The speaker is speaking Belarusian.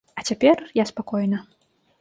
А цяпер я спакойна.